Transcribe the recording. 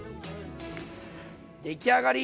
出来上がり！